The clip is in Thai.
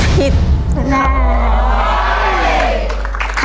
ถูกถูกถูก